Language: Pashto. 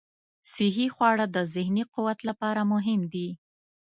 صحي خواړه د ذهني قوت لپاره مهم دي.